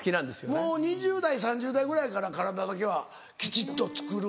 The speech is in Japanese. もう２０代３０代ぐらいから体だけはきちっとつくる。